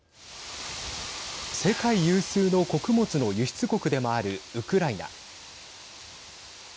世界有数の穀物の輸出国でもあるウクライナ。